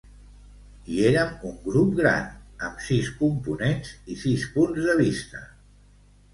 I érem un grup gran, amb sis components i sis punts de vista.